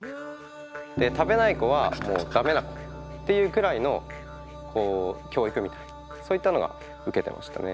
食べない子はもう駄目な子っていうくらいの教育みたいなそういったのが受けてましたね。